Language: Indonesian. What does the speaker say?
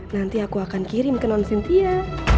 nanti aku akan kirim ke non cynthia